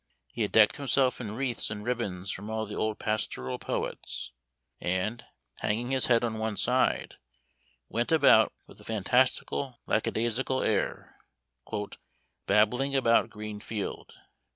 He had decked himself in wreaths and ribbons from all the old pastoral poets, and, hanging his head on one side, went about with a fantastical, lackadaisical air, "babbling about green field."